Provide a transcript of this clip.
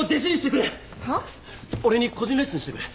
俺に個人レッスンしてくれ！